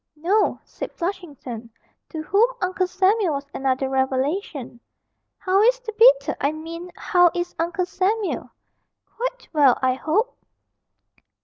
'No,' said Flushington, to whom Uncle Samuel was another revelation. 'How is the beetle I mean, how is Uncle Samuel? Quite well, I hope?'